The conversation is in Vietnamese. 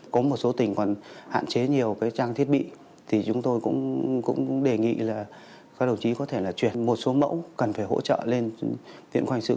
có một số tỉnh còn hạn chế nhiều trang thiết bị thì chúng tôi cũng đề nghị các đồng chí có thể chuyển một số mẫu cần phải hỗ trợ lên viện khoanh sự